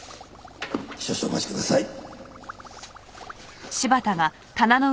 少々お待ちください。